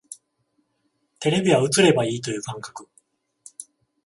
テレビは映ればいいという感覚